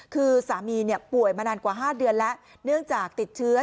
คือสามีป่วยมานานกว่า๕เดือนแล้วเนื่องจากติดเชื้อ